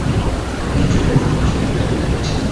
উনি এই ছুটিটার জন্য মাসখানেক ধরে অপেক্ষা করছে।